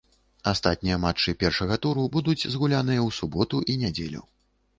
Астатнія матчы першага туру будуць згуляныя ў суботу і нядзелю.